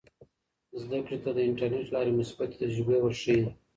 زده کړې ته د انټرنیټ له لارې مثبتې تجربې ورښیي.